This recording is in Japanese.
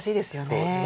そうですね。